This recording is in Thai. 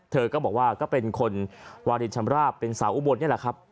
เธอก็บอกว่าก็เป็นคนวารินชำราบเป็นสาวอุบลนี่แหละครับ